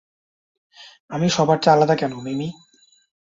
আমি সবার চেয়ে আলাদা কেন, মিমি?